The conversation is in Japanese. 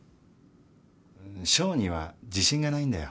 ん小児は自信がないんだよ。